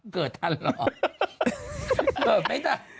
เกิดทันหรอ